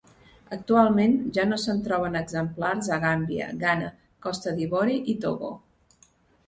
Actualment ja no se'n troben exemplars a Gàmbia, Ghana, Costa d'Ivori i Togo.